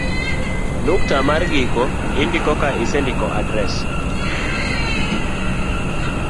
nukta mar giko indiko ka isendiko adres